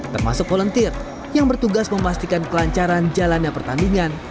termasuk volunteer yang bertugas memastikan kelancaran jalannya pertandingan